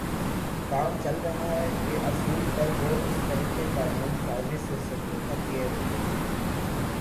کام چل رہا ہے کے اصول پر وہ اس طریقِ قانون سازی سے سمجھوتاکیے رہتے ہیں